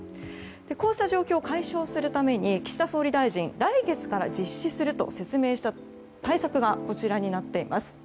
こうした状況を解消するために岸田総理大臣が来月から実施すると説明した対策がこちらになっています。